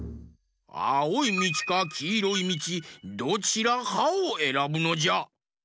あおいみちかきいろいみちどちらかをえらぶのじゃ。